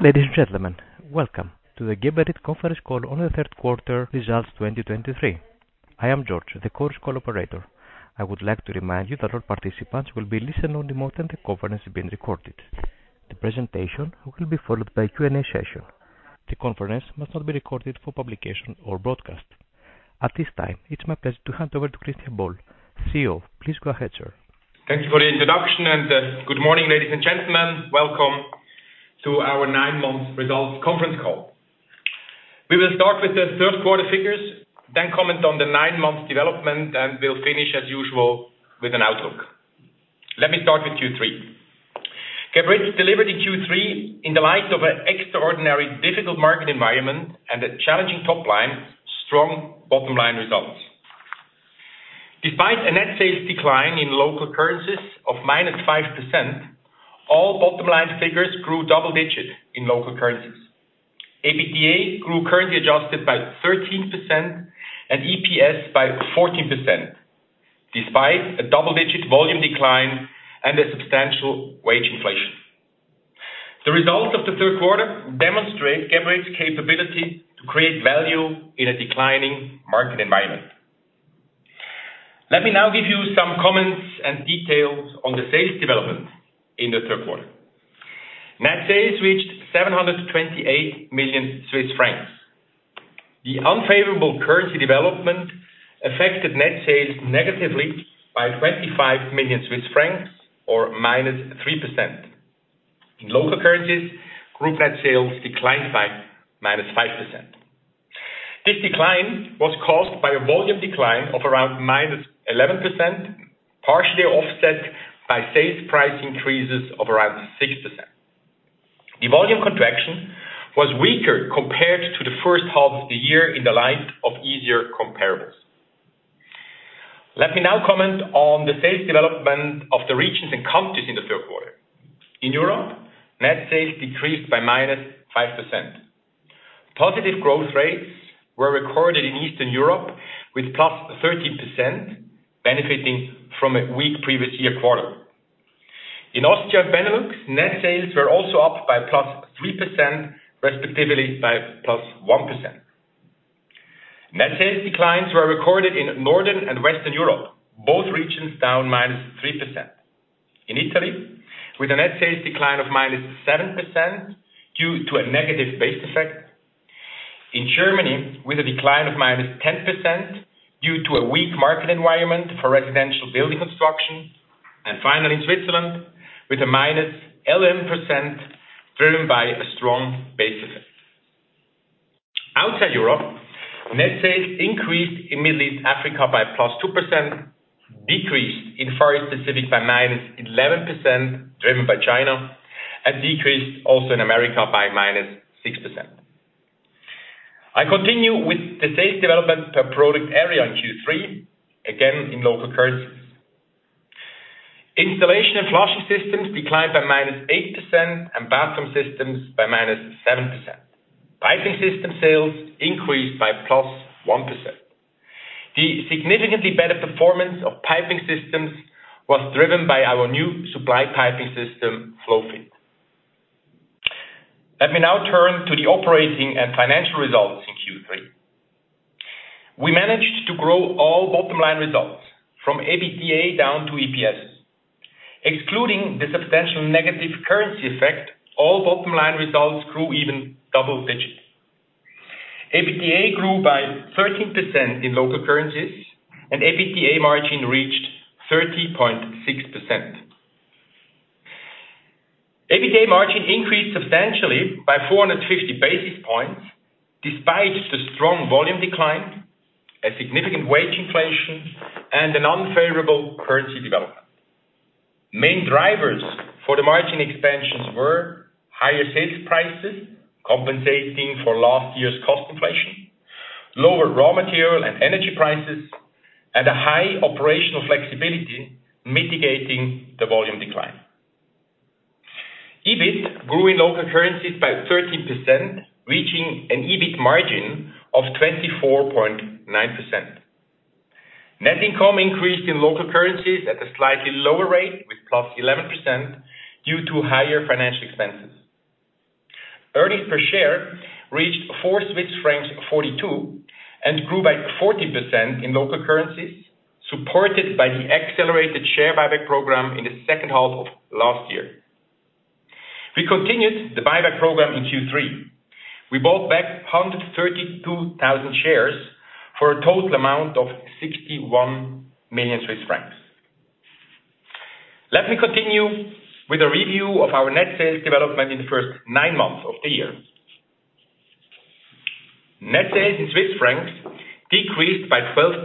Ladies and gentlemen, welcome to the Geberit conference call on the third quarter results, 2023. I am George, the conference call operator. I would like to remind you that all participants will be listen-only mode and the conference is being recorded. The presentation will be followed by Q&A session. The conference must not be recorded for publication or broadcast. At this time, it's my pleasure to hand over to Christian Buhl, CEO. Please go ahead, sir. Thank you for the introduction, and good morning, ladies and gentlemen. Welcome to our nine-month results conference call. We will start with the third quarter figures, then comment on the nine-month development, and we'll finish, as usual, with an outlook. Let me start with Q3. Geberit delivered in Q3 in the light of an extraordinarily difficult market environment and a challenging top line, strong bottom line results. Despite a net sales decline in local currencies of -5%, all bottom line figures grew double-digit in local currencies. EBITDA grew currency-adjusted by 13% and EPS by 14%, despite a double-digit volume decline and a substantial wage inflation. The results of the third quarter demonstrate Geberit's capability to create value in a declining market environment. Let me now give you some comments and details on the sales development in the third quarter. Net sales reached 728 million Swiss francs. The unfavorable currency development affected net sales negatively by 25 million Swiss francs, or -3%. In local currencies, group net sales declined by -5%. This decline was caused by a volume decline of around -11%, partially offset by sales price increases of around 6%. The volume contraction was weaker compared to the first half of the year in the light of easier comparables. Let me now comment on the sales development of the regions and countries in the third quarter. In Europe, net sales decreased by -5%. Positive growth rates were recorded in Eastern Europe, with +13% benefiting from a weak previous year quarter. In Austria and Benelux, net sales were also up by +3%, respectively, by +1%. Net sales declines were recorded in Northern and Western Europe, both regions down -3%. In Italy, with a net sales decline of -7% due to a negative base effect. In Germany, with a decline of -10% due to a weak market environment for residential building construction. And finally, in Switzerland, with a -11%, driven by a strong base effect. Outside Europe, net sales increased in Middle East, Africa by +2%, decreased in Far East Pacific by -11%, driven by China, and decreased also in America by -6%. I continue with the sales development per product area in Q3, again, in local currencies. Installation and flushing systems declined by -8%, and bathroom systems by -7%. Piping system sales increased by +1%. The significantly better performance of piping systems was driven by our new supply piping system, FlowFit. Let me now turn to the operating and financial results in Q3. We managed to grow all bottom line results from EBITDA down to EPS. Excluding the substantial negative currency effect, all bottom line results grew even double digits. EBITDA grew by 13% in local currencies, and EBITDA margin reached 30.6%. EBITDA margin increased substantially by 450 basis points, despite the strong volume decline, a significant wage inflation, and an unfavorable currency development. Main drivers for the margin expansions were higher sales prices, compensating for last year's cost inflation, lower raw material and energy prices, and a high operational flexibility, mitigating the volume decline. EBIT grew in local currencies by 13%, reaching an EBIT margin of 24.9%. Net income increased in local currencies at a slightly lower rate, with +11%, due to higher financial expenses. Earnings per share reached 4.42 Swiss francs, and grew by 40% in local currencies, supported by the accelerated share buyback program in the second half of last year. We continued the buyback program in Q3. We bought back 132,000 shares for a total amount of 61 million Swiss francs. Let me continue with a review of our net sales development in the first nine months of the year. Net sales in Swiss francs decreased by 12%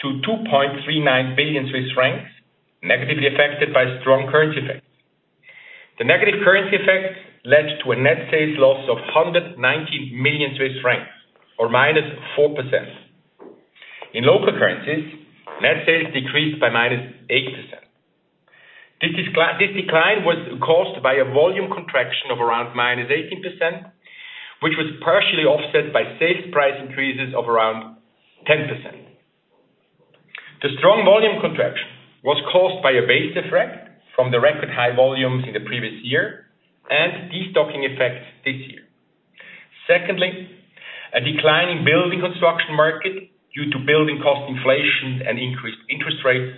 to 2.39 billion Swiss francs, negatively affected by strong currency effects. The negative currency effects led to a net sales loss of 190 million Swiss francs, or -4%. In local currencies, net sales decreased by -8%. This decline was caused by a volume contraction of around -18%, which was partially offset by sales price increases of around 10%.... The strong volume contraction was caused by a base effect from the record high volumes in the previous year and destocking effects this year. Secondly, a decline in building construction market due to building cost inflation and increased interest rates.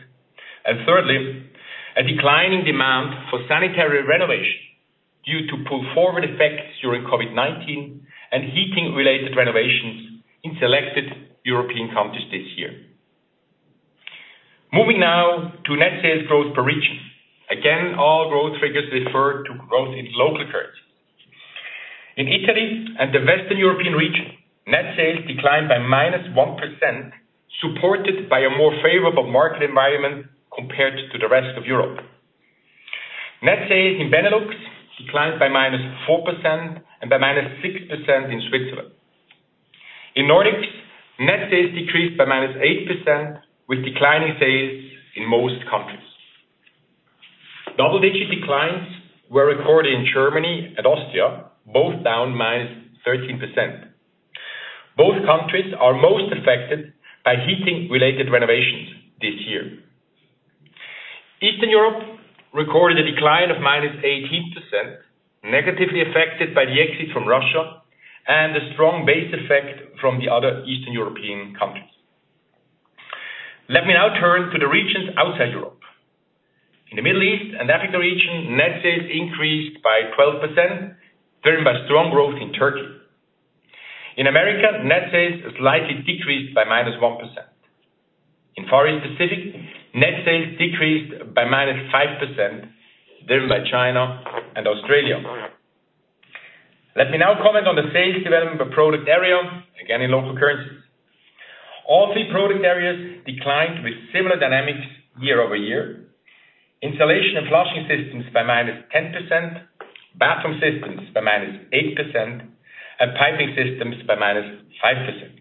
And thirdly, a declining demand for sanitary renovation due to pull forward effects during COVID-19 and heating-related renovations in selected European countries this year. Moving now to net sales growth per region. Again, all growth figures refer to growth in local currency. In Italy and the Western European region, net sales declined by -1%, supported by a more favorable market environment compared to the rest of Europe. Net sales in Benelux declined by -4% and by -6% in Switzerland. In Nordics, net sales decreased by -8%, with declining sales in most countries. Double-digit declines were recorded in Germany and Austria, both down -13%. Both countries are most affected by heating-related renovations this year. Eastern Europe recorded a decline of -18%, negatively affected by the exit from Russia and a strong base effect from the other Eastern European countries. Let me now turn to the regions outside Europe. In the Middle East and Africa region, net sales increased by 12%, driven by strong growth in Turkey. In America, net sales slightly decreased by -1%. In Far East Pacific, net sales decreased by -5%, driven by China and Australia. Let me now comment on the sales development of product area, again, in local currencies. All three product areas declined with similar dynamics year-over-year. Installation and flushing systems by -10%, bathroom systems by -8%, and piping systems by -5%.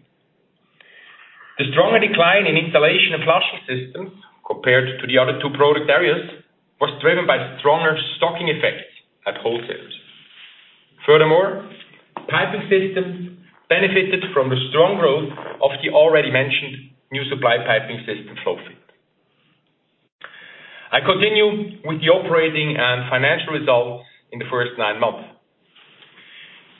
The stronger decline in installation and flushing systems compared to the other two product areas was driven by stronger stocking effects at wholesalers. Furthermore, piping systems benefited from the strong growth of the already mentioned new supply piping system FlowFit. I continue with the operating and financial results in the first nine months.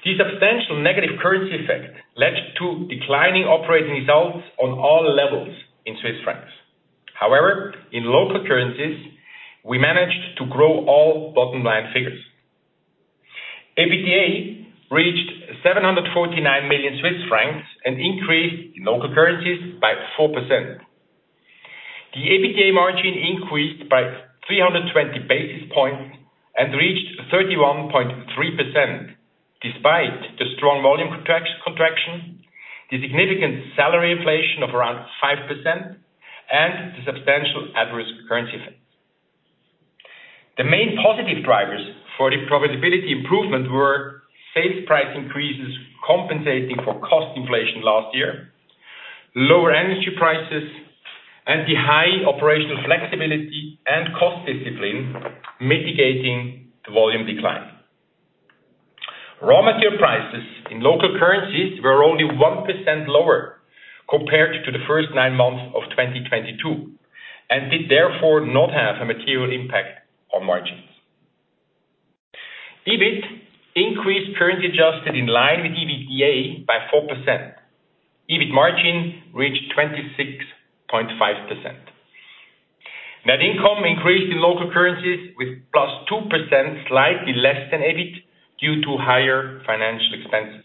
The substantial negative currency effect led to declining operating results on all levels in Swiss francs. However, in local currencies, we managed to grow all bottom line figures. EBITDA reached 749 million Swiss francs, an increase in local currencies by 4%. The EBITDA margin increased by 320 basis points and reached 31.3%, despite the strong volume contraction, the significant salary inflation of around 5%, and the substantial adverse currency effect. The main positive drivers for the profitability improvement were sales price increases, compensating for cost inflation last year, lower energy prices, and the high operational flexibility and cost discipline, mitigating the volume decline. Raw material prices in local currencies were only 1% lower compared to the first nine months of 2022, and did therefore not have a material impact on margins. EBIT increased currency adjusted in line with EBITDA by 4%. EBIT margin reached 26.5%. Net income increased in local currencies with +2%, slightly less than EBIT, due to higher financial expenses.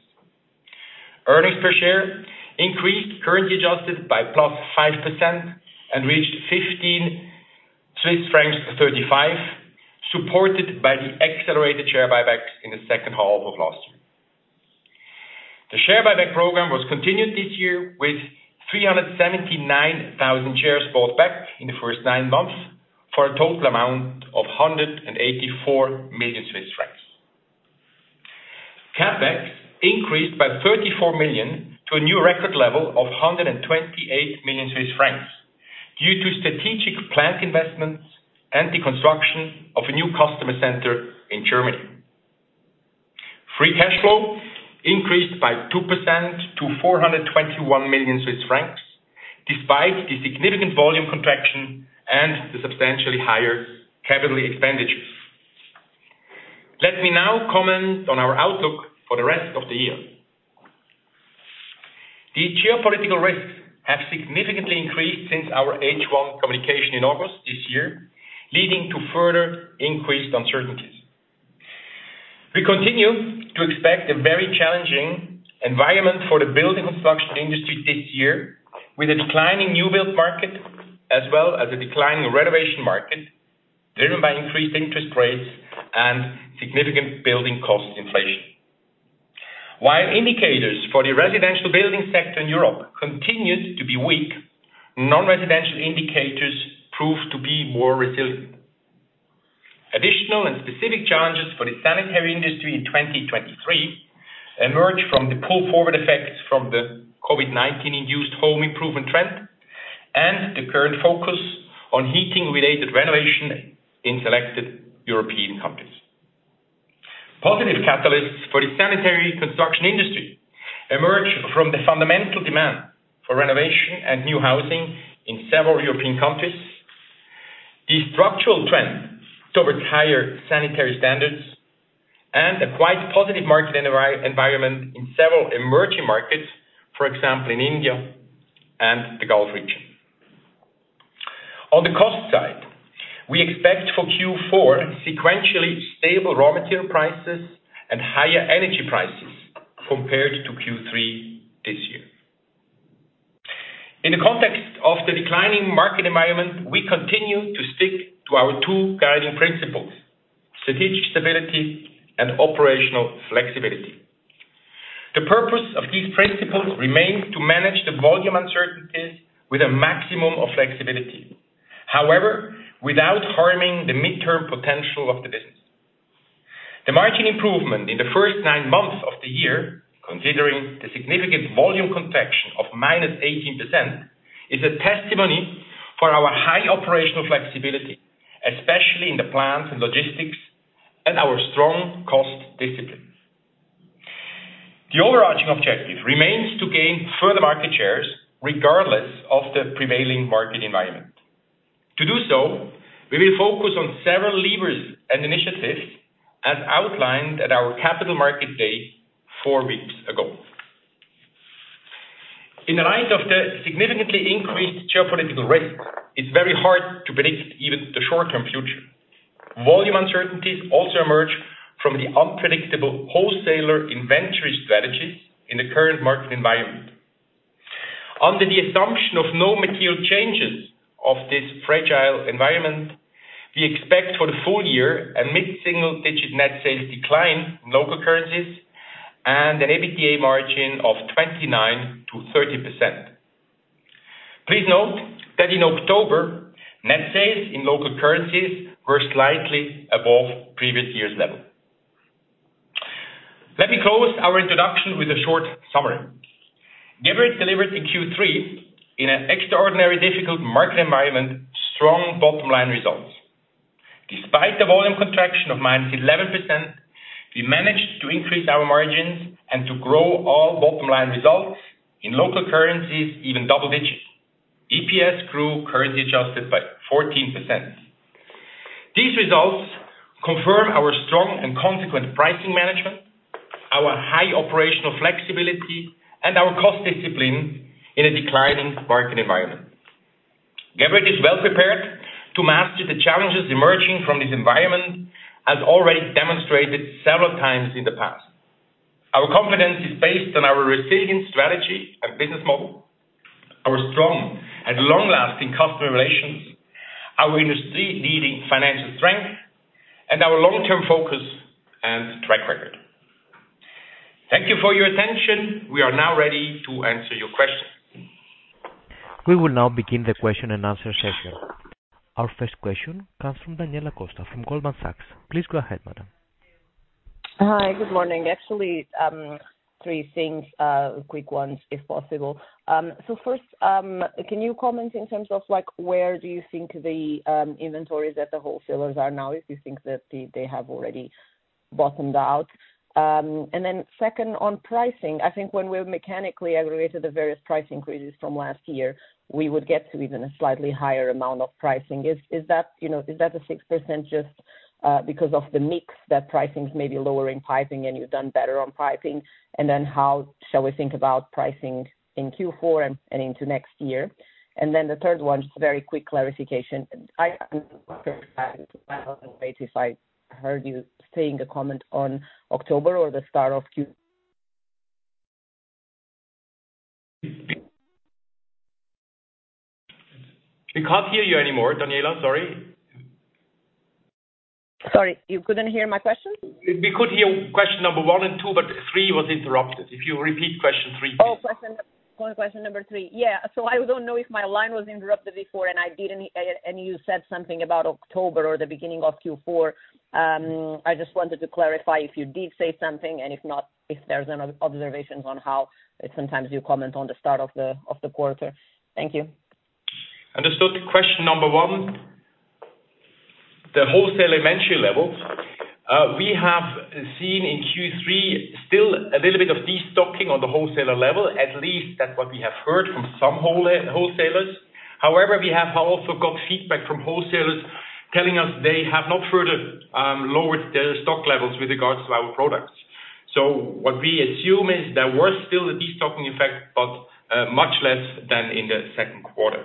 Earnings per share increased, currency adjusted, by +5% and reached 15.35 Swiss francs, supported by the accelerated share buybacks in the second half of last year. The share buyback program was continued this year with 379,000 shares bought back in the first nine months, for a total amount of 184 million Swiss francs. CapEx increased by 34 million to a new record level of 128 million Swiss francs, due to strategic plant investments and the construction of a new customer center in Germany. Free cash flow increased by 2% to 421 million Swiss francs, despite the significant volume contraction and the substantially higher capital expenditures. Let me now comment on our outlook for the rest of the year. The geopolitical risks have significantly increased since our H1 communication in August this year, leading to further increased uncertainties. We continue to expect a very challenging environment for the building construction industry this year, with a decline in new build market, as well as a decline in renovation market, driven by increased interest rates and significant building cost inflation. While indicators for the residential building sector in Europe continues to be weak, non-residential indicators prove to be more resilient. Additional and specific challenges for the sanitary industry in 2023 emerge from the pull forward effects from the COVID-19-induced home improvement trend, and the current focus on heating-related renovation in selected European countries. Positive catalysts for the sanitary construction industry emerge from the fundamental demand for renovation and new housing in several European countries. The structural trend towards higher sanitary standards and a quite positive market environment in several emerging markets, for example, in India and the Gulf region. On the cost side, we expect for Q4, sequentially stable raw material prices and higher energy prices compared to Q3 this year. In the context of the declining market environment, we continue to stick to our two guiding principles: strategic stability and operational flexibility. The purpose of these principles remains to manage the volume uncertainties with a maximum of flexibility, however, without harming the midterm potential of the business. The margin improvement in the first nine months of the year, considering the significant volume contraction of -18%, is a testimony for our high operational flexibility, especially in the plants and logistics, and our strong cost discipline. The overarching objective remains to gain further market shares, regardless of the prevailing market environment. To do so, we will focus on several levers and initiatives as outlined at our Capital Market Day, four weeks ago. In the light of the significantly increased geopolitical risk, it's very hard to predict even the short-term future. Volume uncertainties also emerge from the unpredictable wholesaler inventory strategies in the current market environment. Under the assumption of no material changes of this fragile environment, we expect for the full-year, a mid-single-digit net sales decline in local currencies, and an EBITDA margin of 29%-30%. Please note that in October, net sales in local currencies were slightly above previous year's level. Let me close our introduction with a short summary. Geberit delivered in Q3, in an extraordinarily difficult market environment, strong bottom line results. Despite the volume contraction of -11%, we managed to increase our margins and to grow all bottom line results in local currencies, even double digits. EPS grew currency adjusted by 14%. These results confirm our strong and consistent pricing management, our high operational flexibility, and our cost discipline in a declining market environment. Geberit is well-prepared to master the challenges emerging from this environment, as already demonstrated several times in the past. Our confidence is based on our resilient strategy and business model, our strong and long-lasting customer relations, our industry-leading financial strength, and our long-term focus and track record. Thank you for your attention. We are now ready to answer your questions. We will now begin the question and answer session. Our first question comes from Daniela Costa, from Goldman Sachs. Please go ahead, madam. Hi, good morning. Actually, three things, quick ones, if possible. So first, can you comment in terms of, like, where do you think the inventories at the wholesalers are now, if you think that they, they have already bottomed out? And then second, on pricing, I think when we mechanically aggregated the various price increases from last year, we would get to even a slightly higher amount of pricing. Is, is that, you know, is that the 6% just because of the mix, that pricing is maybe lower in piping, and you've done better on piping? And then how shall we think about pricing in Q4 and, and into next year? And then the third one, just a very quick clarification. I, if I heard you saying a comment on October or the start of Q- We can't hear you anymore, Daniela. Sorry. Sorry, you couldn't hear my question? We could hear question number one and two, but three was interrupted. If you repeat question three, please. Oh, question, question number three. Yeah. So I don't know if my line was interrupted before, and I didn't and you said something about October or the beginning of Q4. I just wanted to clarify if you did say something, and if not, if there's any observations on how sometimes you comment on the start of the quarter. Thank you. Understood. Question number one, the wholesaler inventory levels. We have seen in Q3 still a little bit of destocking on the wholesaler level, at least that's what we have heard from some wholesalers. However, we have also got feedback from wholesalers telling us they have not further lowered their stock levels with regards to our products. So what we assume is there were still a destocking effect, but much less than in the second quarter.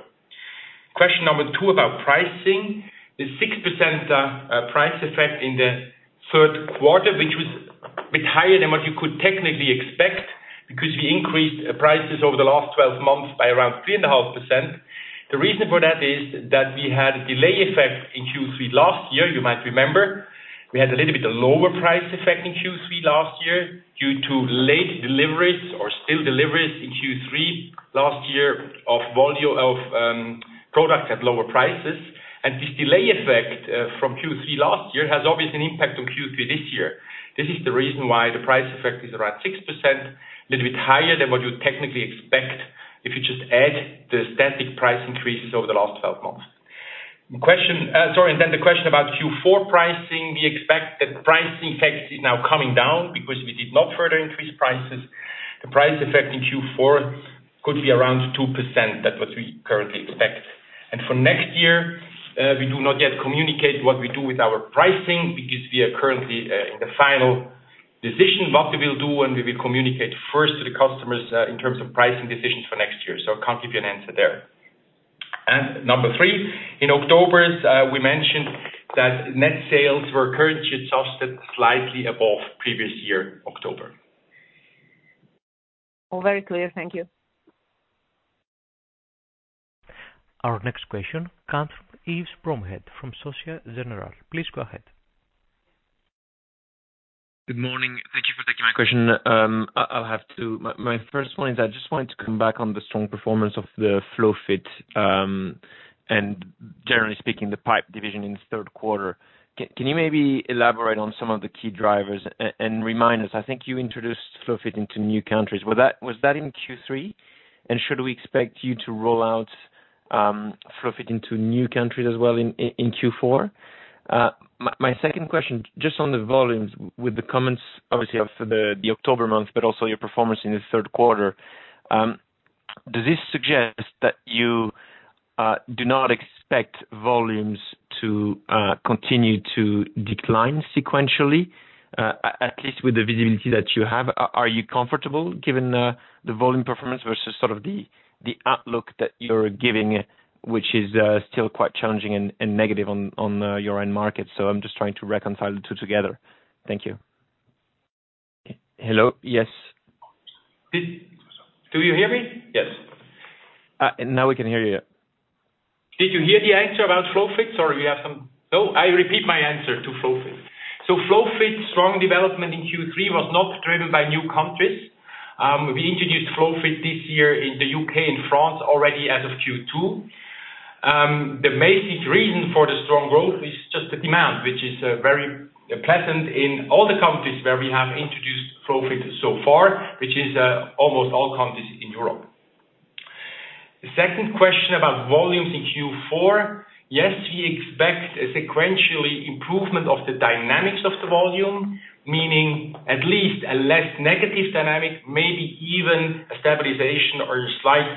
Question number two, about pricing. The 6% price effect in the third quarter, which was a bit higher than what you could technically expect, because we increased prices over the last 12 months by around 3.5%. The reason for that is that we had a delay effect in Q3 last year. You might remember, we had a little bit of lower price effect in Q3 last year, due to late deliveries or still deliveries in Q3 last year of volume of, product at lower prices. And this delay effect, from Q3 last year, has obviously an impact on Q3 this year. This is the reason why the price effect is around 6%, a little bit higher than what you'd technically expect, if you just add the static price increases over the last 12 months.... The question, sorry, and then the question about Q4 pricing, we expect that price effect is now coming down because we did not further increase prices. The price effect in Q4 could be around 2%, that what we currently expect. For next year, we do not yet communicate what we do with our pricing, because we are currently in the final decision what we will do, and we will communicate first to the customers in terms of pricing decisions for next year. So I can't give you an answer there. And number three, in October, we mentioned that net sales were currently adjusted slightly above previous year, October. Very clear. Thank you. Our next question comes from Yves Bromehead from Société Générale. Please go ahead. Good morning. Thank you for taking my question. I'll have two. My first one is, I just wanted to come back on the strong performance of the FlowFit, and generally speaking, the pipe division in the third quarter. Can you maybe elaborate on some of the key drivers and remind us, I think you introduced FlowFit into new countries. Was that in Q3? And should we expect you to roll out FlowFit into new countries as well in Q4? My second question, just on the volumes, with the comments, obviously, of the October month, but also your performance in the third quarter. Does this suggest that you do not expect volumes to continue to decline sequentially, at least with the visibility that you have? Are you comfortable given the volume performance versus sort of the outlook that you're giving, which is still quite challenging and negative on your end market? So I'm just trying to reconcile the two together. Thank you. Hello? Yes. Do you hear me? Yes. Now we can hear you, yeah. Did you hear the answer about FlowFit's, or we have some? No, I repeat my answer to FlowFit. So FlowFit's strong development in Q3 was not driven by new countries. We introduced FlowFit this year in the U.K. and France already as of Q2. The basic reason for the strong growth is just the demand, which is very pleasant in all the countries where we have introduced FlowFit so far, which is almost all countries in Europe. The second question about volumes in Q4, yes, we expect a sequentially improvement of the dynamics of the volume, meaning at least a less negative dynamic, maybe even a stabilization or a slight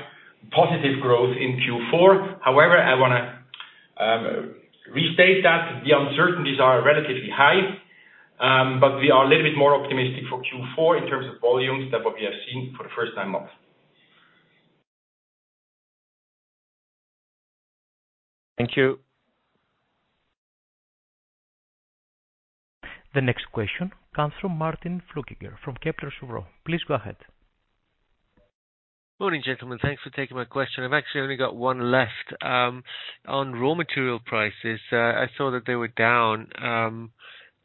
positive growth in Q4. However, I wanna restate that the uncertainties are relatively high, but we are a little bit more optimistic for Q4 in terms of volumes than what we have seen for the first nine months. Thank you. The next question comes from Martin Flueckiger, from Kepler Cheuvreux. Please go ahead. Morning, gentlemen. Thanks for taking my question. I've actually only got one left. On raw material prices, I saw that they were down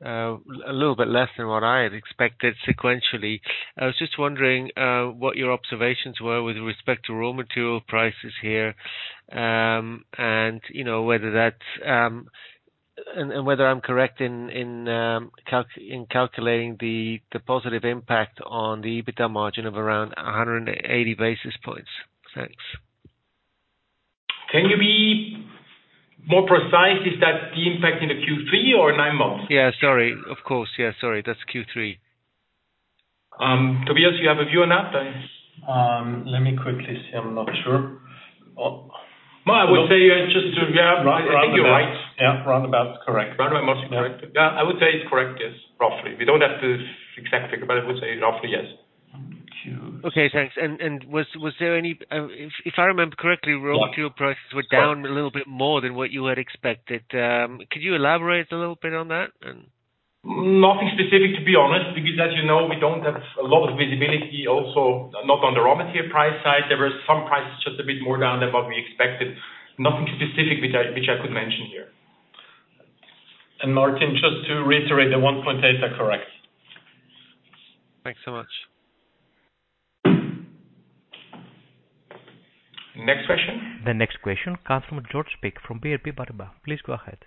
a little bit less than what I had expected sequentially. I was just wondering what your observations were with respect to raw material prices here, and, you know, whether that's... and whether I'm correct in calculating the positive impact on the EBITDA margin of around 180 basis points. Thanks. Can you be more precise? Is that the impact in the Q3 or nine months? Yeah, sorry. Of course. Yeah, sorry, that's Q3. Tobias, you have a view on that then? Let me quickly see. I'm not sure. Well, I would say, just to, yeah, I think you're right. Yeah, roundabout correct. Roundabout correct. Yeah. Yeah, I would say it's correct, yes, roughly. We don't have the exact figure, but I would say roughly, yes. Um, Q- Okay, thanks. And was there any... If I remember correctly, raw material prices- Yeah. -were down a little bit more than what you had expected. Could you elaborate a little bit on that? And- Nothing specific, to be honest, because as you know, we don't have a lot of visibility also not on the raw material price side. There were some prices just a bit more down than what we expected. Nothing specific which I could mention here. Martin, just to reiterate, the 1-point data, correct. Thanks so much. Next question? The next question comes from George Speak from BNP Paribas. Please go ahead.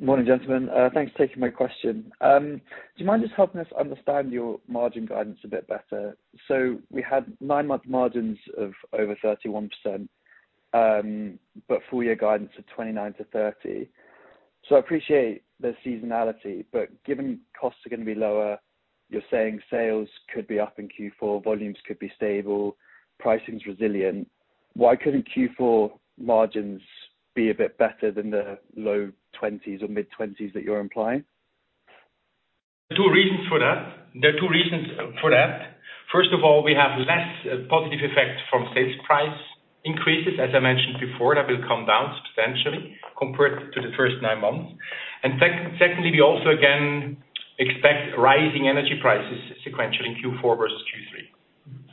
Morning, gentlemen. Thanks for taking my question. Do you mind just helping us understand your margin guidance a bit better? So we had nine-month margins of over 31%, but full-year guidance of 29-30. So I appreciate the seasonality, but given costs are gonna be lower, you're saying sales could be up in Q4, volumes could be stable, pricing's resilient. Why couldn't Q4 margins be a bit better than the low 20s or mid-20s that you're implying? Two reasons for that. There are two reasons for that. First of all, we have less positive effect from sales price increases. As I mentioned before, that will come down substantially compared to the first nine months. And secondly, we also, again, expect rising energy prices sequentially in Q4 versus Q3.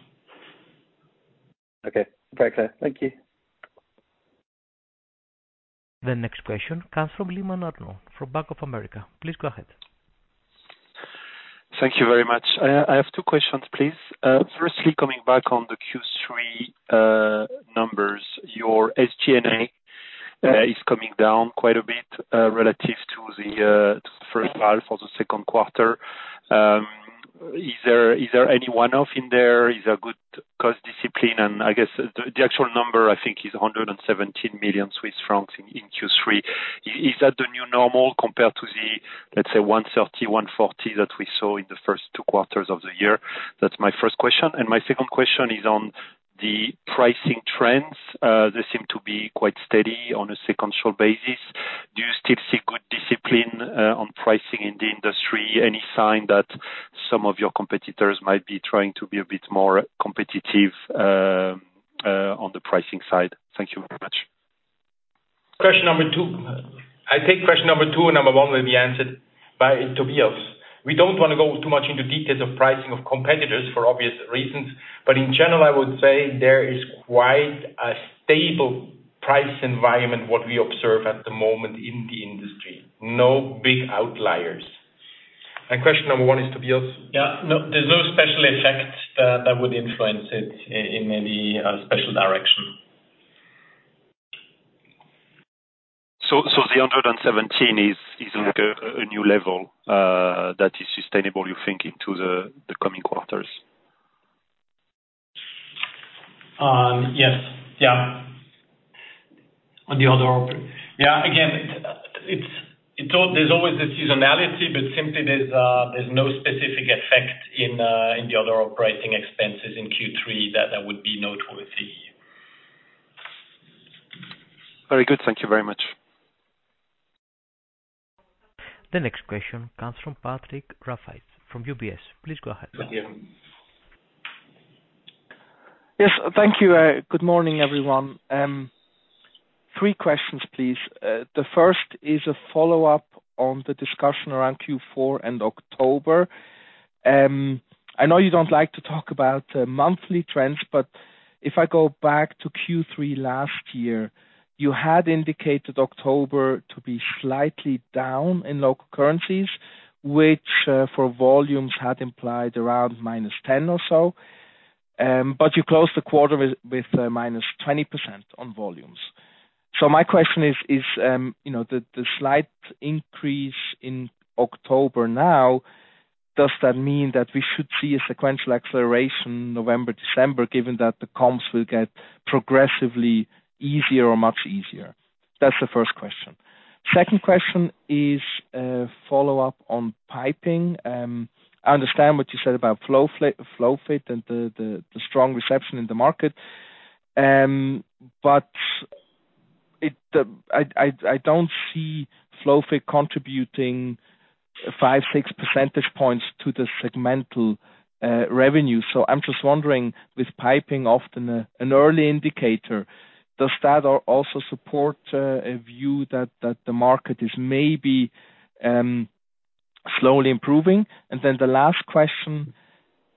Okay. Very clear. Thank you. The next question comes from Arnaud Lehmann, from Bank of America. Please go ahead. Thank you very much. I have two questions, please. Firstly, coming back on the Q3 numbers, your net sales is coming down quite a bit relative to the first half or the second quarter.... Is there, is there any one-off in there? Is there good cost discipline? And I guess, the, the actual number, I think, is 117 million Swiss francs in Q3. Is, is that the new normal compared to the, let's say, 130, 140 that we saw in the first two quarters of the year? That's my first question. And my second question is on the pricing trends. They seem to be quite steady on a sequential basis. Do you still see good discipline on pricing in the industry? Any sign that some of your competitors might be trying to be a bit more competitive on the pricing side? Thank you very much. Question number two. I think question number two and number one will be answered by Tobias. We don't want to go too much into details of pricing of competitors, for obvious reasons, but in general, I would say there is quite a stable price environment, what we observe at the moment in the industry. No big outliers. And question number one is Tobias? Yeah. No, there's no special effects that would influence it in any special direction. So, the 117 is like a new level that is sustainable, you think, into the coming quarters? Yes. Yeah. On the other op... Yeah, again, it's always a seasonality, but simply there's no specific effect in the other operating expenses in Q3 that would be noteworthy. Very good. Thank you very much. The next question comes from Patrick Rafaisz from UBS. Please go ahead. Thank you. Yes, thank you. Good morning, everyone. Three questions, please. The first is a follow-up on the discussion around Q4 and October. I know you don't like to talk about monthly trends, but if I go back to Q3 last year, you had indicated October to be slightly down in local currencies, which for volumes had implied around -10 or so. But you closed the quarter with -20% on volumes. So my question is, you know, the slight increase in October now, does that mean that we should see a sequential acceleration November, December, given that the comps will get progressively easier or much easier? That's the first question. Second question is follow-up on piping. I understand what you said about FlowFit and the strong reception in the market. But I don't see FlowFit contributing 5-6 percentage points to the segmental revenue. So I'm just wondering, with piping often an early indicator, does that also support a view that the market is maybe slowly improving? And then the last question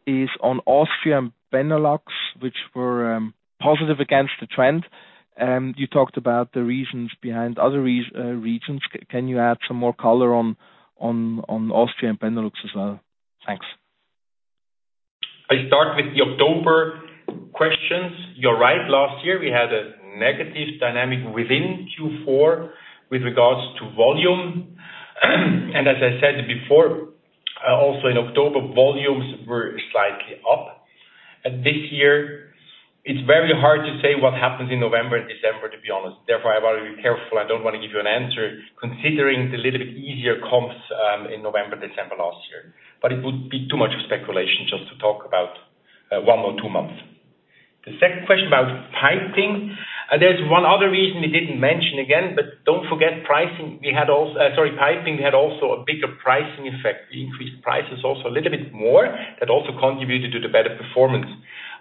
is on Austria and Benelux, which were positive against the trend. You talked about the reasons behind other regions. Can you add some more color on Austria and Benelux as well? Thanks. I start with the October questions. You're right. Last year, we had a negative dynamic within Q4 with regards to volume. And as I said before, also in October, volumes were slightly up. And this year, it's very hard to say what happens in November and December, to be honest. Therefore, I've got to be careful. I don't want to give you an answer considering the little bit easier comps in November, December last year. But it would be too much speculation just to talk about one or two months. The second question about piping. There's one other reason we didn't mention again, but don't forget, pricing, we had also piping, had also a bigger pricing effect. We increased prices also a little bit more. That also contributed to the better performance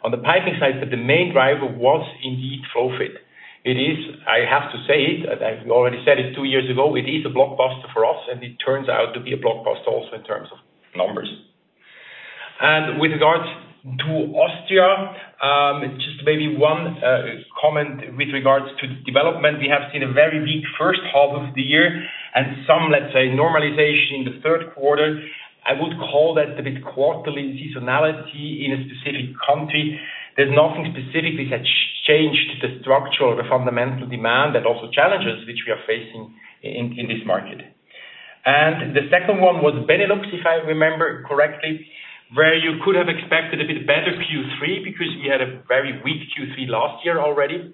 on the piping side, but the main driver was indeed FlowFit. It is, I have to say it, I've already said it two years ago, it is a blockbuster for us, and it turns out to be a blockbuster also in terms of numbers. With regards to Austria, just maybe one comment with regards to development. We have seen a very weak first half of the year and some, let's say, normalization in the third quarter. I would call that a bit quarterly seasonality in a specific country. There's nothing specifically that changed the structural, the fundamental demand and also challenges which we are facing in this market. And the second one was Benelux, if I remember correctly, where you could have expected a bit better Q3, because we had a very weak Q3 last year already.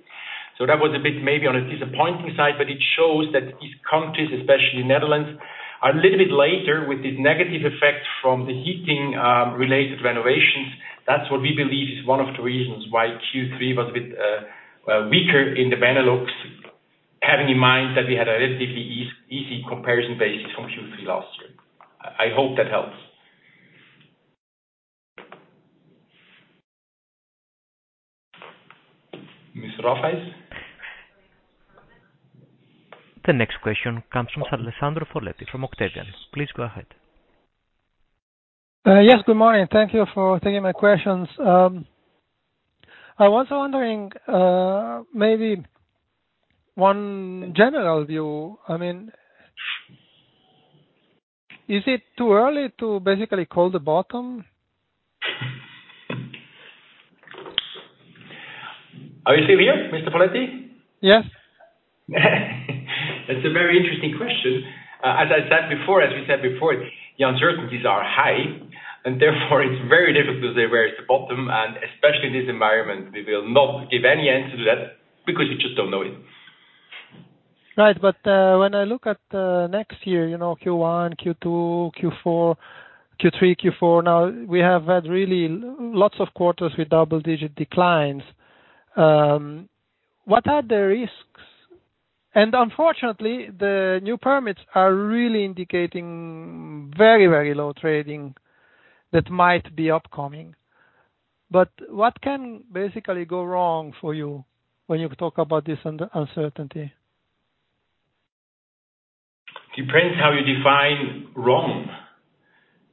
So that was a bit maybe on a disappointing side, but it shows that these countries, especially Netherlands, are a little bit later with this negative effect from the heating-related renovations. That's what we believe is one of the reasons why Q3 was a bit weaker in the Benelux, having in mind that we had a relatively easy comparison basis from Q3 last year. I hope that helps. Ms. Rafaisz? The next question comes from Alessandro Foletti from Octavian. Please go ahead. Yes, good morning. Thank you for taking my questions. I was wondering, maybe one general view. I mean, is it too early to basically call the bottom? ... Are you still here, Mr. Foletti? Yes. That's a very interesting question. As I said before, as we said before, the uncertainties are high, and therefore it's very difficult to where is the bottom, and especially in this environment, we will not give any answer to that because we just don't know it. Right. But when I look at next year, you know, Q1, Q2, Q4, Q3, Q4, now, we have had really lots of quarters with double digit declines. What are the risks? And unfortunately, the new permits are really indicating very, very low trading that might be upcoming. But what can basically go wrong for you when you talk about this uncertainty? Depends how you define wrong.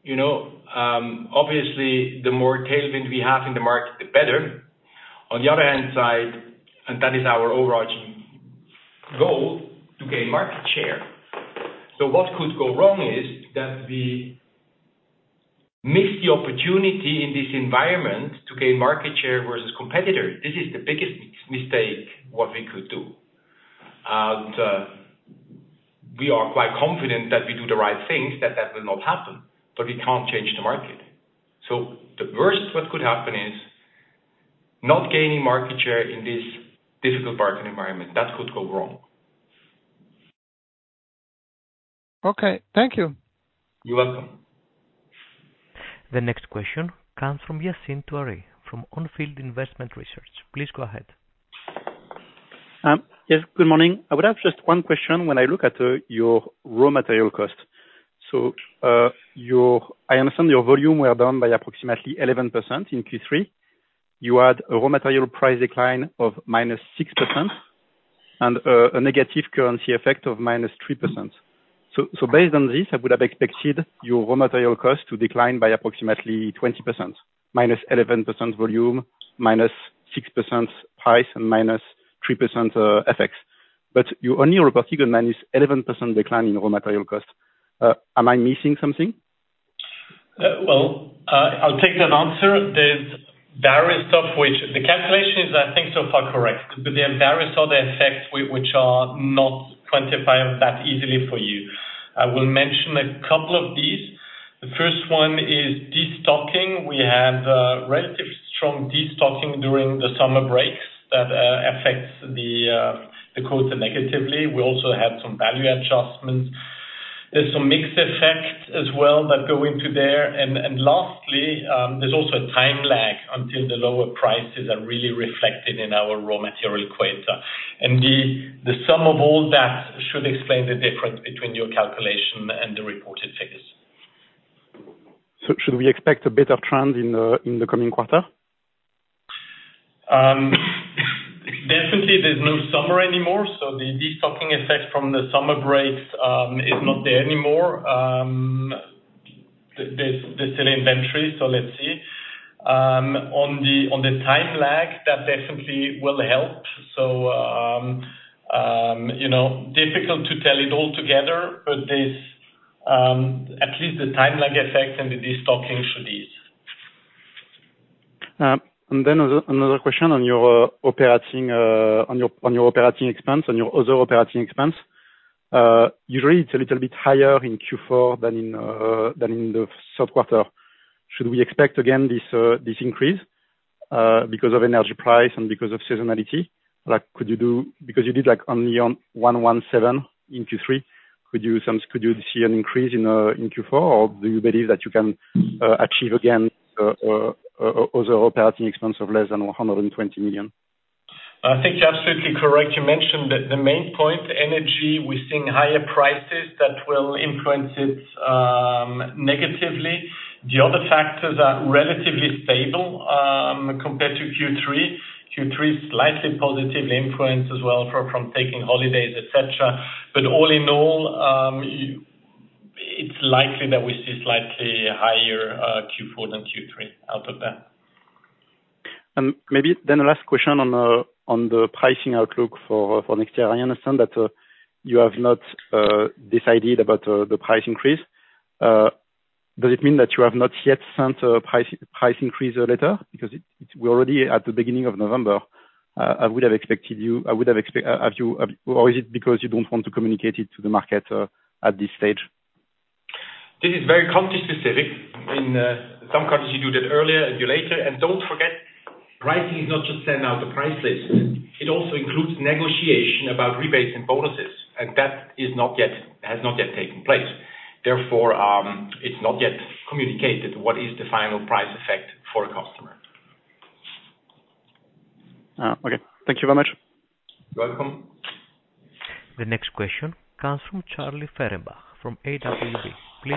You know, obviously, the more tailwind we have in the market, the better. On the other hand side, and that is our overarching goal, to gain market share. So what could go wrong is, that we miss the opportunity in this environment to gain market share versus competitors. This is the biggest mistake, what we could do. And, we are quite confident that we do the right things, that that will not happen, but we can't change the market. So the worst what could happen is, not gaining market share in this difficult market environment. That could go wrong. Okay, thank you. You're welcome. The next question comes from Yassine Touahri from Onfield Investment Research. Please go ahead. Yes, good morning. I would have just one question when I look at your raw material cost. So, I understand your volume were down by approximately 11% in Q3. You had a raw material price decline of -6% and a negative currency effect of -3%. So, based on this, I would have expected your raw material cost to decline by approximately 20%, -11% volume, -6% price, and -3%, FX. But you only reported -11% decline in raw material cost. Am I missing something? Well, I'll take that answer. There's various stuff which... The calculation is, I think, so far correct, but there are various other effects which are not quantifiable that easily for you. I will mention a couple of these. The first one is destocking. We have relative strong destocking during the summer breaks that affects the quarter negatively. We also have some value adjustments. There's some mixed effects as well that go into there, and lastly, there's also a time lag until the lower prices are really reflected in our raw material quota. And the sum of all that should explain the difference between your calculation and the reported figures. So should we expect a better trend in the coming quarter? Definitely there's no summer anymore, so the destocking effect from the summer break is not there anymore. There's still inventory, so let's see. On the time lag, that definitely will help. So, you know, difficult to tell it all together, but there's at least the time lag effect and the destocking should ease. And then another question on your operating expense, on your other operating expense. Usually it's a little bit higher in Q4 than in the third quarter. Should we expect again this increase because of energy price and because of seasonality? Like, because you did, like, only 117 million in Q3, could you see an increase in Q4, or do you believe that you can achieve again other operating expense of less than 120 million? I think you're absolutely correct. You mentioned that the main point, energy, we're seeing higher prices, that will influence it, negatively. The other factors are relatively stable, compared to Q3. Q3, slightly positive influence as well from taking holidays, et cetera. But all in all, it's likely that we see slightly higher, Q4 than Q3 out of that. Maybe then the last question on the pricing outlook for next year. I understand that you have not decided about the price increase. Does it mean that you have not yet sent a price increase letter? Because we're already at the beginning of November. I would have expected you. Or is it because you don't want to communicate it to the market at this stage? This is very country specific. In some countries, you do that earlier, and you later. Don't forget, pricing is not just send out the price list, it also includes negotiation about rebates and bonuses, and that has not yet taken place. Therefore, it's not yet communicated what is the final price effect for a customer. Okay. Thank you very much. You're welcome. The next question comes from Charlie Fehrenbach, from AWP. Please go ahead. Good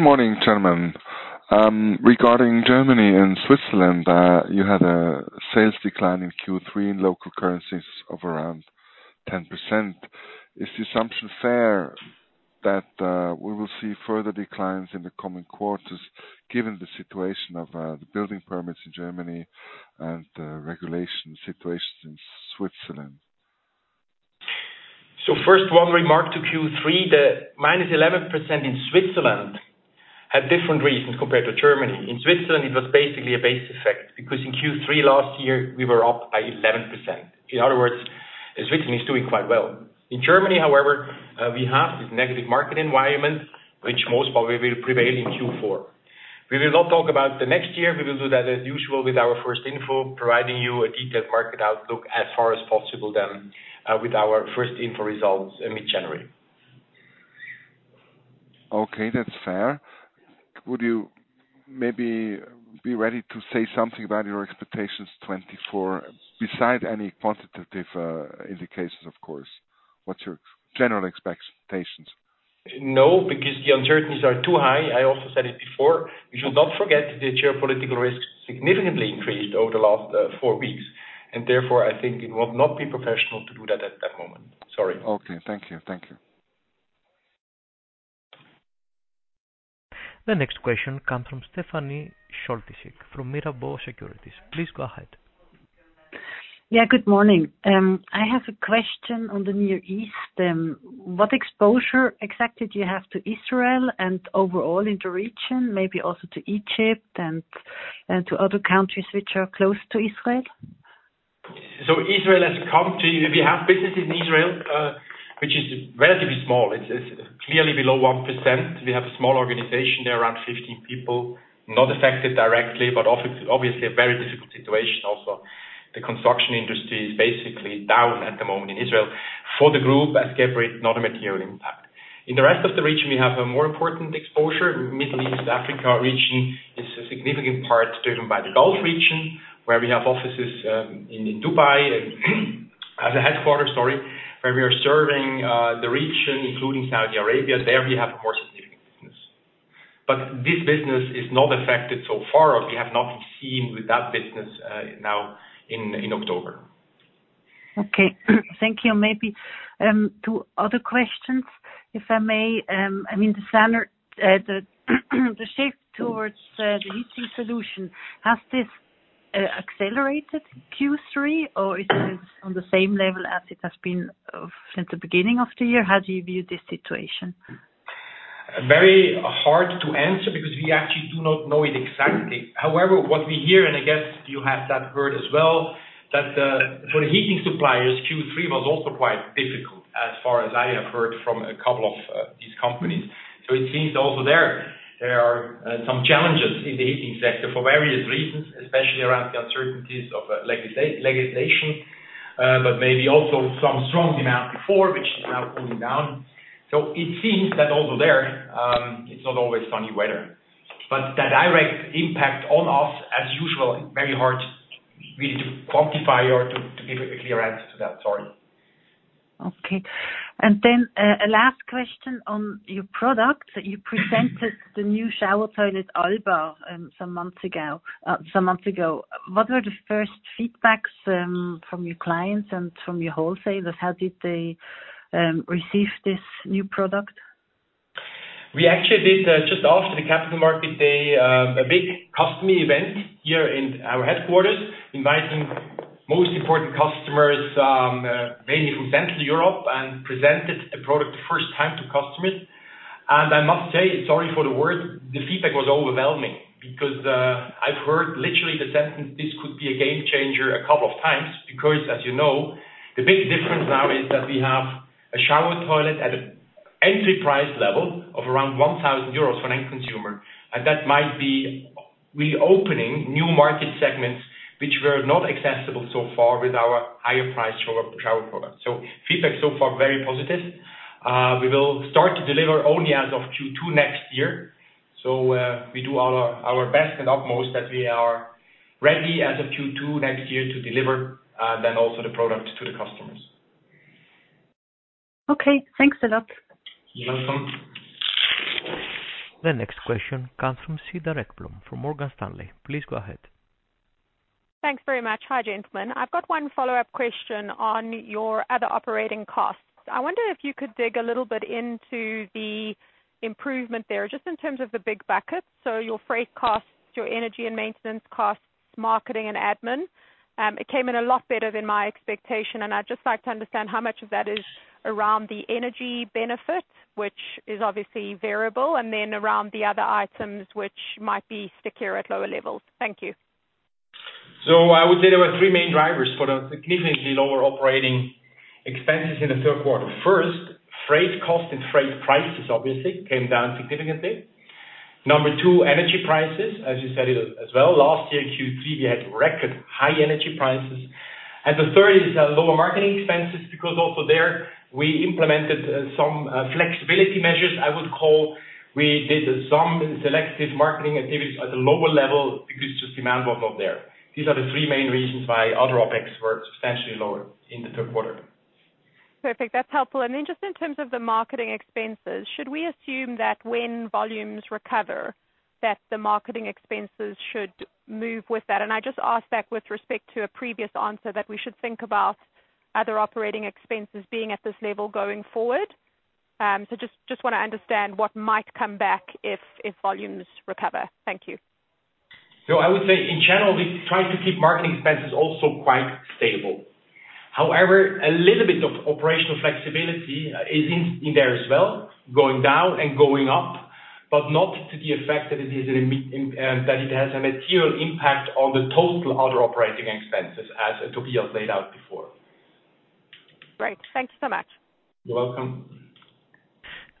morning, gentlemen. Regarding Germany and Switzerland, you had a sales decline in Q3 in local currencies of around 10%. Is the assumption fair that we will see further declines in the coming quarters, given the situation of the building permits in Germany and regulation situations in Switzerland? ... First one remark to Q3, the -11% in Switzerland had different reasons compared to Germany. In Switzerland, it was basically a base effect, because in Q3 last year, we were up by 11%. In other words, Switzerland is doing quite well. In Germany, however, we have this negative market environment, which most probably will prevail in Q4. We will not talk about the next year. We will do that as usual with our first info, providing you a detailed market outlook as far as possible then, with our first info results in mid-January. Okay, that's fair. Would you maybe be ready to say something about your expectations 2024, besides any positive indications, of course? What's your general expectations? No, because the uncertainties are too high. I also said it before. We should not forget the geopolitical risk significantly increased over the last 4 weeks, and therefore, I think it would not be professional to do that at that moment. Sorry. Okay. Thank you. Thank you. The next question comes from Stefanie Scholtissek, from Mirabaud Securities. Please go ahead. Yeah, good morning. I have a question on the Near East. What exposure exactly do you have to Israel and overall in the region, maybe also to Egypt and to other countries which are close to Israel? We have business in Israel, which is relatively small. It's clearly below 1%. We have a small organization there, around 15 people, not affected directly, but obviously a very difficult situation also. The construction industry is basically down at the moment in Israel. For the group, as Geberit, not a material impact. In the rest of the region, we have a more important exposure. Middle East, Africa region is a significant part, driven by the Gulf region, where we have offices in Dubai, and as a headquarters, sorry, where we are serving the region, including Saudi Arabia. There we have a more significant business. But this business is not affected so far, or we have not seen with that business now in October. Okay, thank you. Maybe two other questions, if I may. I mean, the standard, the shift towards the heating solution, has this accelerated Q3, or is it on the same level as it has been since the beginning of the year? How do you view this situation? Very hard to answer, because we actually do not know it exactly. However, what we hear, and I guess you have that heard as well, that, for the heating suppliers, Q3 was also quite difficult as far as I have heard from a couple of, these companies. So it seems also there are some challenges in the heating sector for various reasons, especially around the uncertainties of legislation, but maybe also some strong demand before, which is now cooling down. So it seems that over there, it's not always sunny weather, but the direct impact on us, as usual, very hard really to quantify or to give a clear answer to that. Sorry. Okay. And then, a last question on your product. You presented the new shower toilet, Alba, some months ago, some months ago. What are the first feedbacks from your clients and from your wholesalers? How did they receive this new product? We actually did just after the capital market day a big customer event here in our headquarters, inviting most important customers mainly from Central Europe, and presented the product first time to customers. I must say, sorry for the word, the feedback was overwhelming, because I've heard literally the sentence, "This could be a game changer," a couple of times, because, as you know, the big difference now is that we have a shower toilet at an entry-price level of around 1,000 euros for an end consumer. And that might be reopening new market segments, which were not accessible so far with our higher priced shower products. Feedback so far, very positive. We will start to deliver only as of Q2 next year. We do our best and utmost that we are ready as of Q2 next year to deliver then also the product to the customers. Okay, thanks a lot. You're welcome. The next question comes from Cedar Ekblom, from Morgan Stanley. Please go ahead. Thanks very much. Hi, gentlemen. I've got one follow-up question on your other operating costs. I wonder if you could dig a little bit into the improvement there, just in terms of the big buckets. So your freight costs, your energy and maintenance costs, marketing and admin. It came in a lot better than my expectation, and I'd just like to understand how much of that is around the energy benefit, which is obviously variable, and then around the other items which might be stickier at lower levels. Thank you. So I would say there were three main drivers for the significantly lower operating expenses in the third quarter. First, freight cost and freight prices obviously came down significantly. Number two, energy prices, as you said it as well. Last year, Q3, we had record high energy prices. And the third is lower marketing expenses, because also there, we implemented some flexibility measures, I would call. We did some selective marketing activities at a lower level because just demand was not there. These are the three main reasons why other OpEx were substantially lower in the third quarter. Perfect. That's helpful. And then just in terms of the marketing expenses, should we assume that when volumes recover, that the marketing expenses should move with that? And I just ask that with respect to a previous answer, that we should think about other operating expenses being at this level going forward. So just, just want to understand what might come back if, if volumes recover. Thank you. ... So I would say in general, we try to keep marketing expenses also quite stable. However, a little bit of operational flexibility is in there as well, going down and going up, but not to the effect that it has a material impact on the total other operating expenses as Tobias laid out before. Great, thank you so much. You're welcome.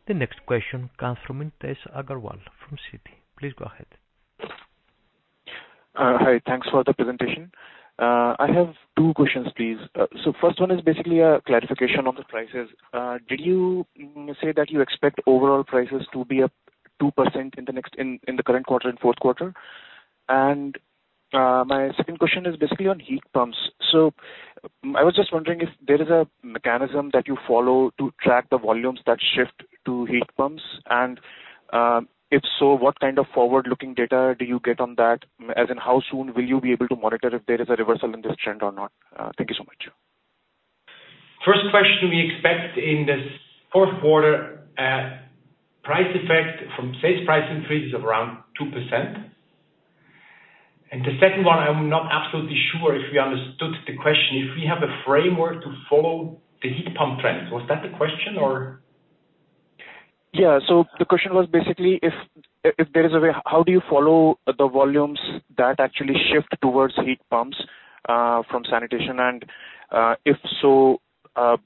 The next question comes from Nitesh Agarwal from Citi. Please go ahead. Hi. Thanks for the presentation. I have two questions, please. So first one is basically a clarification on the prices. Did you say that you expect overall prices to be up 2% in the next, in the current quarter, in fourth quarter? And, my second question is basically on heat pumps. So I was just wondering if there is a mechanism that you follow to track the volumes that shift to heat pumps, and, if so, what kind of forward-looking data do you get on that? As in, how soon will you be able to monitor if there is a reversal in this trend or not? Thank you so much. First question, we expect in this fourth quarter, price effect from sales price increase is around 2%. And the second one, I'm not absolutely sure if we understood the question. If we have a framework to follow the heat pump trends. Was that the question or? Yeah. So the question was basically if there is a way, how do you follow the volumes that actually shift towards heat pumps from sanitation? And if so, how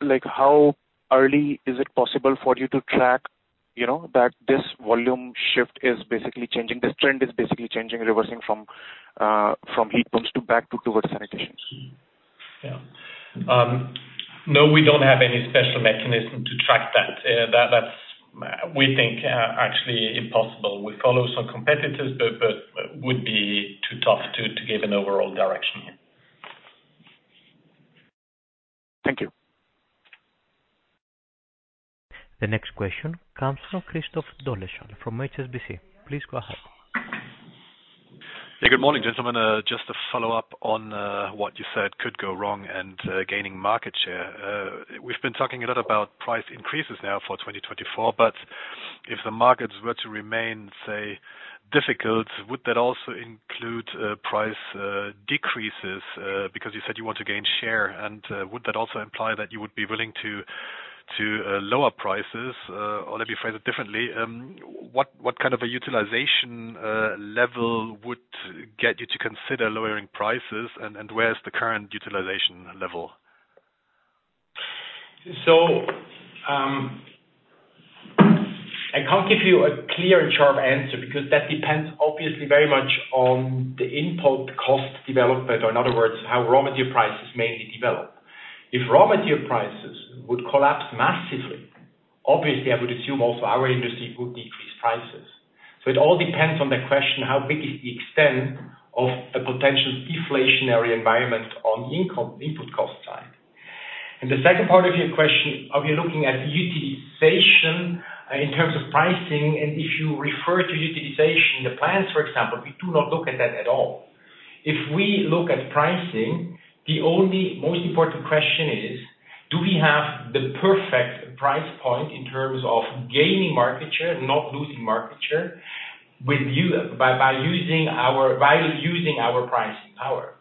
like how early is it possible for you to track, you know, that this volume shift is basically changing, this trend is basically changing, reversing from heat pumps to back towards sanitations? Yeah. No, we don't have any special mechanism to track that. That's, we think, actually impossible. We follow some competitors, but would be too tough to give an overall direction here. Thank you. The next question comes from Christoph Dolleschal from HSBC. Please go ahead. Hey, good morning, gentlemen. Just to follow up on what you said could go wrong and gaining market share. We've been talking a lot about price increases now for 2024, but if the markets were to remain, say, difficult, would that also include price decreases? Because you said you want to gain share, and would that also imply that you would be willing to lower prices? Or let me phrase it differently, what kind of a utilization level would get you to consider lowering prices, and where's the current utilization level? So, I can't give you a clear and sharp answer, because that depends obviously very much on the input cost development, or in other words, how raw material prices mainly develop. If raw material prices would collapse massively, obviously, I would assume also our industry would decrease prices. So it all depends on the question, how big is the extent of a potential deflationary environment on the input cost side? And the second part of your question, are we looking at utilization in terms of pricing, and if you refer to utilization in the plants, for example, we do not look at that at all. If we look at pricing, the only most important question is: Do we have the perfect price point in terms of gaining market share, not losing market share, by using our pricing power?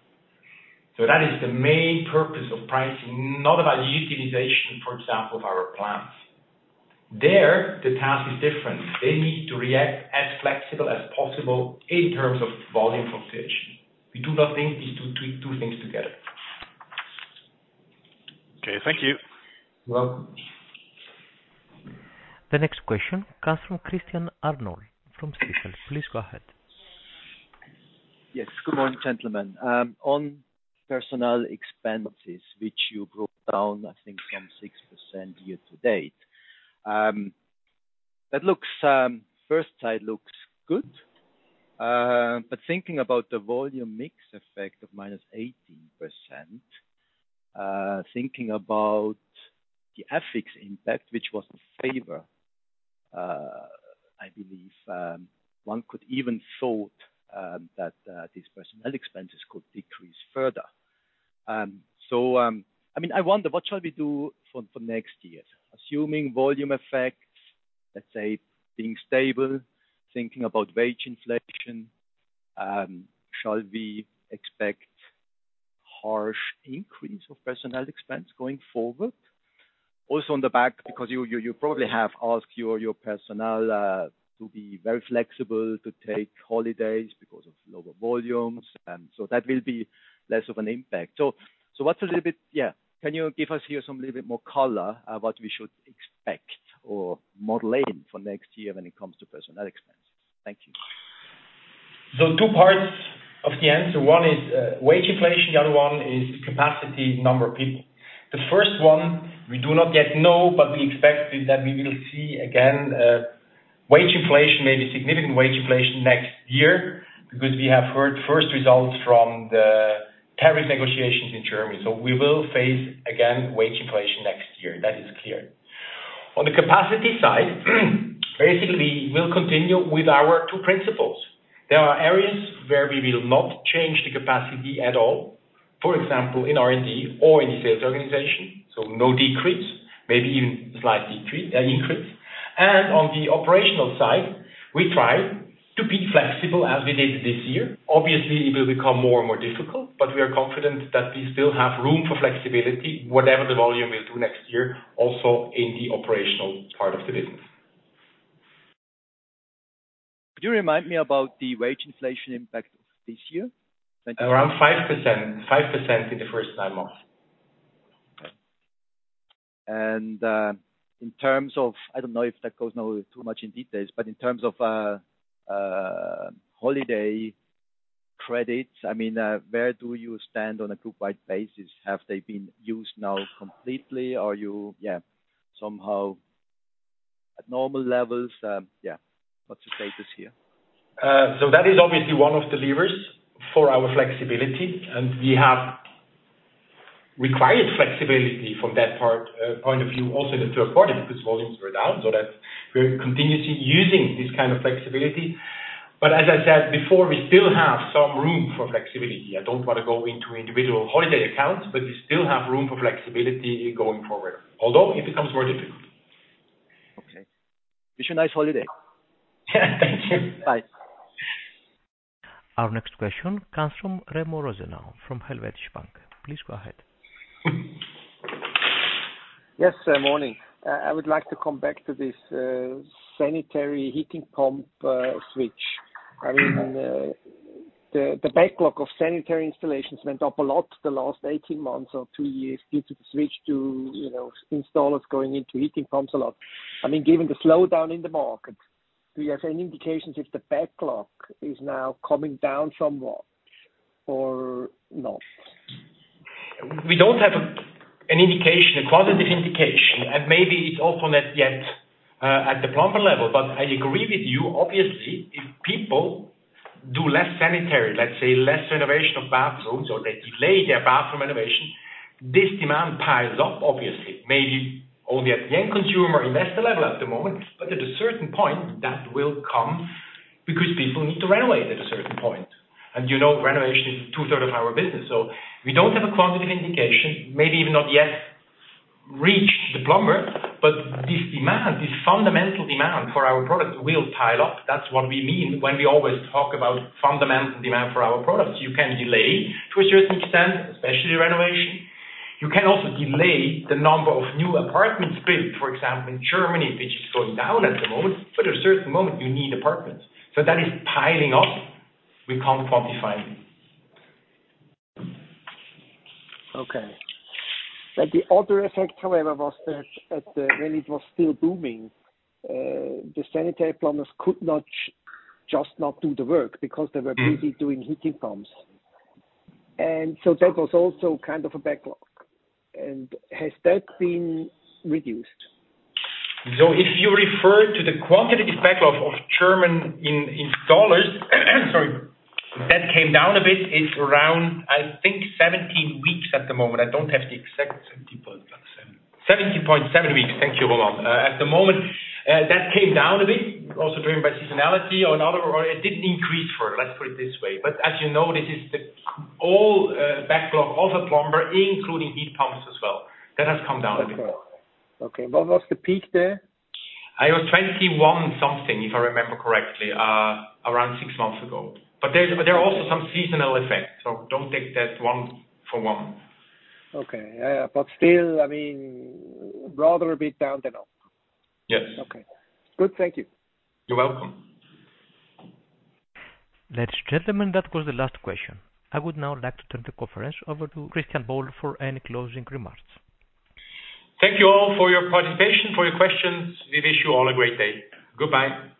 That is the main purpose of pricing, not about the utilization, for example, of our plants. There, the task is different. They need to react as flexible as possible in terms of volume from pitch. We do not think these two, two things together. Okay, thank you. You're welcome. The next question comes from Christian Arnold, from Stifel. Please go ahead. Yes, good morning, gentlemen. On personnel expenses, which you broke down, I think, from 6% year to date. That looks, first time looks good, but thinking about the volume mix effect of -18%, thinking about the FX impact, which was in favor, I believe, one could even thought that these personnel expenses could decrease further. So, I mean, I wonder, what shall we do for next year? Assuming volume effects, let's say, being stable, thinking about wage inflation, shall we expect harsh increase of personnel expense going forward? Also on the back, because you probably have asked your personnel to be very flexible, to take holidays because of lower volumes, and so that will be less of an impact. So what's a little bit... Yeah. Can you give us here some little bit more color, what we should expect or modeling for next year when it comes to personnel expense? Thank you. Two parts of the answer. One is wage inflation, the other one is capacity, number of people. The first one, we do not yet know, but we expect that we will see again wage inflation, maybe significant wage inflation next year, because we have heard first results from the tariff negotiations in Germany. So we will face, again, wage inflation next year. That is clear. On the capacity side, basically, we'll continue with our two principles. There are areas where we will not change the capacity at all. For example, in R&D or in the sales organization, so no decrease, maybe even slight decrease, increase. And on the operational side, we try to be flexible as we did this year. Obviously, it will become more and more difficult, but we are confident that we still have room for flexibility, whatever the volume will do next year, also in the operational part of the business. Could you remind me about the wage inflation impact this year? Around 5%, 5% in the first nine months. In terms of, I don't know if that goes now too much in details, but in terms of holiday credits, I mean, where do you stand on a group-wide basis? Have they been used now completely, or you, yeah, somehow at normal levels? Yeah. What's the status here? So that is obviously one of the levers for our flexibility, and we have required flexibility from that part, point of view, also in the third quarter, because volumes were down, so that we're continuously using this kind of flexibility. But as I said before, we still have some room for flexibility. I don't want to go into individual holiday accounts, but we still have room for flexibility going forward, although it becomes more difficult. Okay. Wish you a nice holiday. Thank you. Bye. Our next question comes from Remo Rosenau, from Helvetische Bank. Please go ahead. Yes, morning. I would like to come back to this, sanitary heat pump switch. I mean, the, the backlog of sanitary installations went up a lot the last 18 months or two years due to the switch to, you know, installers going into heat pumps a lot. I mean, given the slowdown in the market, do you have any indications if the backlog is now coming down somewhat or not? We don't have an indication, a quantitative indication, and maybe it's also not yet at the plumber level. But I agree with you. Obviously, if people do less sanitary, let's say less renovation of bathrooms, or they delay their bathroom renovation, this demand piles up, obviously. Maybe only at the end consumer investor level at the moment, but at a certain point, that will come because people need to renovate at a certain point. And, you know, renovation is 2/3s of our business. So we don't have a quantitative indication, maybe even not yet reached the plumber, but this demand, this fundamental demand for our product will pile up. That's what we mean when we always talk about fundamental demand for our products. You can delay to a certain extent, especially renovation. You can also delay the number of new apartments built, for example, in Germany, which is going down at the moment, but at a certain moment, you need apartments. So that is piling up. We can't quantify. Okay. But the other effect, however, was that at the when it was still booming, the sanitary plumbers could not just not do the work because they were busy doing heat pumps. And so that was also kind of a backlog. And has that been reduced? So if you refer to the quantitative backlog of German installers, sorry, that came down a bit. It's around, I think, 17 weeks at the moment. I don't have the exact- 17.7. 17.7 weeks. Thank you, Roman. At the moment, that came down a bit, also driven by seasonality or another, or it didn't increase further. Let's put it this way, but as you know, this is the all, backlog of a plumber, including heat pumps as well. That has come down a bit. Okay. What was the peak there? It was 21 something, if I remember correctly, around 6 months ago. But there are also some seasonal effects, so don't take that one for one. Okay. But still, I mean, rather a bit down than up. Yes. Okay. Good. Thank you. You're welcome. Ladies, gentlemen, that was the last question. I would now like to turn the conference over to Christian Buhl for any closing remarks. Thank you all for your participation, for your questions. We wish you all a great day. Goodbye.